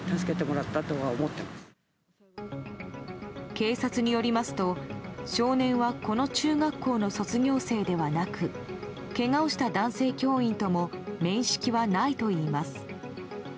警察によりますと、少年はこの中学校の卒業生ではなくけがをした男性教員とも面識はないといいます。